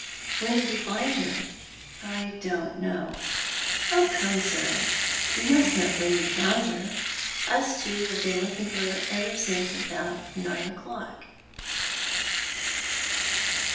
"When did you find her?" " I don't know." "Oh, come, sir, you must know when you found her. Us two have been looking for her ever since nine o'clock.